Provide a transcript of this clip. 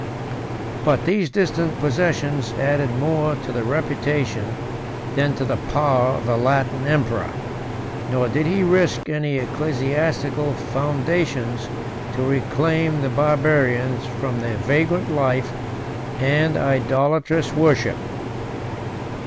But these distant possessions added more to the reputation than to the power of the Latin emperor; nor did he risk any ecclesiastical foundations to reclaim the Barbarians from their vagrant life and idolatrous worship.